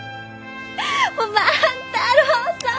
もう万太郎さん！